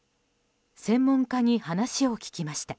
専門家に話を聞きました。